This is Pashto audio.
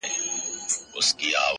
یوه ورځ ورسره کېږي حسابونه،